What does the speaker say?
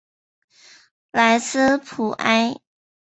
莱斯普埃。